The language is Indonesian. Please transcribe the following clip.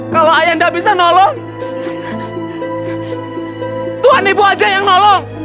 kalau ayah nggak bisa nolong tuhan ibu aja yang nolong